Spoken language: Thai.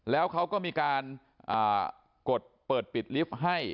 แล้วเขาก็มีการกดเปิดปิดลิฟต์ให้